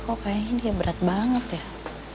kok kayaknya ini berat banget ya